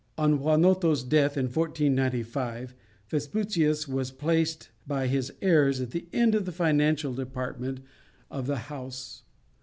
On Juanoto's death in 1495, Vespucius was placed by his heirs at the head of the financial department of the house.